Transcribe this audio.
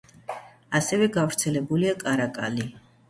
ასევე გავრცელებულია კარაკალი.